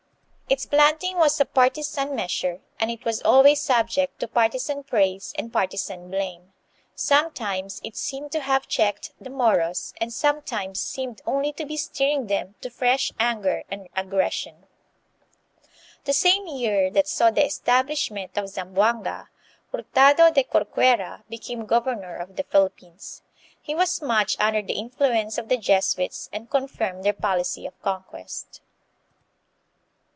Its planting was a partisan measure, and it was always subject to partisan praise and partisan blame. Sometimes it seemed to have checked the Moros and sometimes seemed only to be stirring them to fresh anger and aggression. The same year that saw the establishment of Zam boanga, Hurtado de Corcuera became governor of the Philippines. He was much under the influence of the Jesuits and confirmed their policy of conquest.